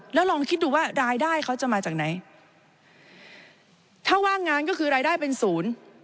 แล้วลองคิดดูว่ารายได้เขาจะมาจากไหนถ้าว่างงานก็คือรายได้เป็นศูนย์